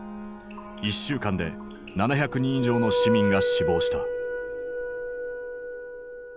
１週間で７００人以上の市民が死亡した。